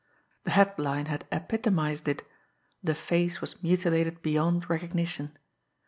The headline had epitomised it the face was mutilated beyond recognition.